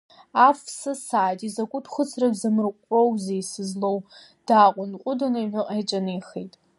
Аф сысааит, изакәытә хәыцра бзамыҟәроузеи сызлоу, дааҟәындҟәындын аҩныҟа иҿынеихеит.